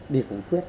đi cùng quyết